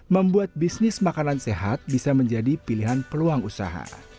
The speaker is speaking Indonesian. membuat bisnis makanan sehat bisa menjadi pilihan peluang usaha